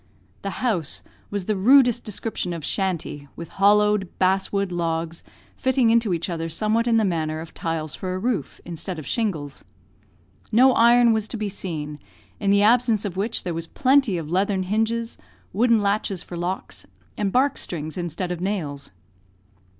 The house was of the rudest description of "shanty," with hollowed basswood logs, fitting into each other somewhat in the manner of tiles for a roof, instead of shingles. No iron was to be seen, in the absence of which there was plenty of leathern hinges, wooden latches for locks, and bark strings instead of nails.